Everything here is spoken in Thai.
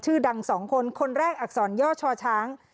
ชื่อดัง๒คนคนแรกอักษรย่อช่อช้าง